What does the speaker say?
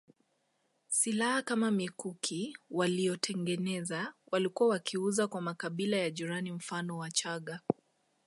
Silaha kama mikuki waliyotengeneza walikuwa wakiiuza kwa makabila ya jirani mfano Wachaga